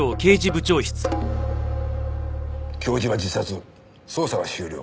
教授は自殺捜査は終了。